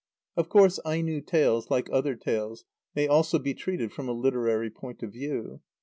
Of course Aino tales, like other tales, may also be treated from a literary point of view.